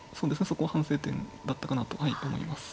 そこは反省点だったかなとはい思います。